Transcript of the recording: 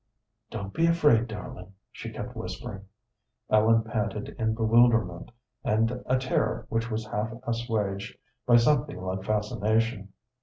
"Don't be afraid, darling," she kept whispering. Ellen panted in bewilderment, and a terror which was half assuaged by something like fascination.